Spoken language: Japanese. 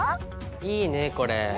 いいねこれ。